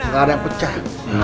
gak ada yang pecah